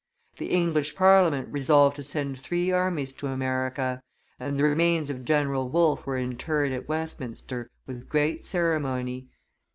The English Parliament resolved to send three armies to America, and the remains of General Wolfe were interred at Westminster with great ceremony.